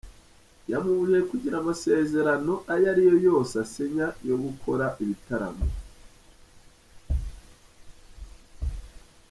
Yamubujije kugira amasezerano ayo ari yo yose asinya yo gukora ibitaramo.